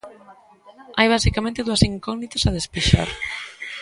Hai basicamente dúas incógnitas a despexar.